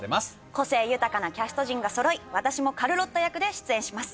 個性豊かなキャスト陣が揃い私もカルロッタ役で出演します。